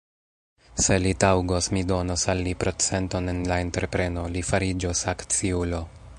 Se li taŭgos, mi donos al li procenton en la entrepreno; li fariĝos akciulo.